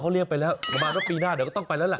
เขาเรียกไปแล้วปีหน้าเดี๋ยวก็ต้องไปแล้วแหละ